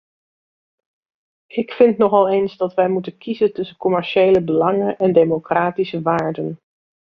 Ik vind nogal eens dat wij moeten kiezen tussen commerciële belangen en democratische waarden.